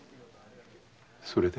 それで？